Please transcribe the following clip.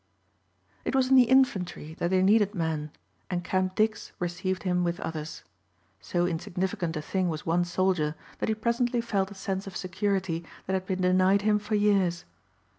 It was in the infantry that they needed men and Camp Dix received him with others. So insignificant a thing was one soldier that he presently felt a sense of security that had been denied him for years.